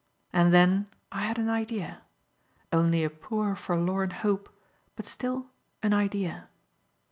And then I had an idea; only a poor, forlorn hope, but still an idea.